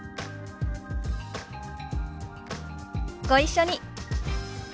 ご一緒に。